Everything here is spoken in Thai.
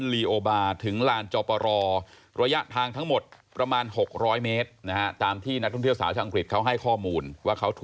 และทุกคนที่เคยเกิดขึ้นเขา